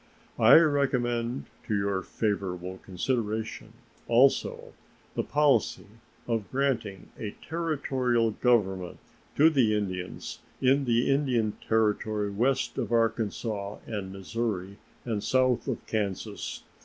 I recommend to your favorable consideration also the policy of granting a Territorial government to the Indians in the Indian Territory west of Arkansas and Missouri and south of Kansas.